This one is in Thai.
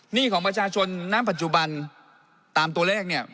หนี้ของประชาชนณปัจจุบันตามตัวเลขเนี่ย